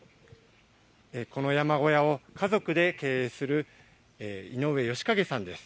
この山小屋を家族で経営する井上義景さんです。